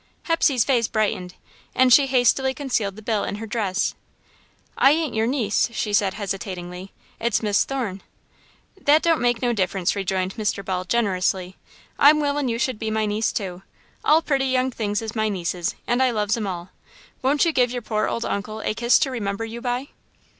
Hepsey's face brightened, and she hastily concealed the bill in her dress. "I ain't your niece," she said, hesitatingly, "it's Miss Thorne." "That don't make no difference," rejoined Mr. Ball, generously, "I'm willin' you should be my niece too. All pretty young things is my nieces and I loves 'em all. Won't you give your pore old uncle a kiss to remember you by?"